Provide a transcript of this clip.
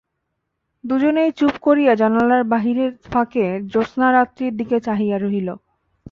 দুজনেই চুপ করিয়া জানালার বাহিরের ফাঁকে জ্যোৎস্নারাত্রির দিকে চাহিয়া রহিল।